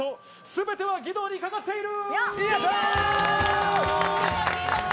全ては義堂にかかっている！